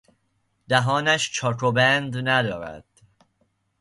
دهانش چاک و بند ندارد.